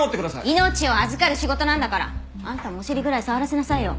命を預かる仕事なんだからあんたもお尻ぐらい触らせなさいよ。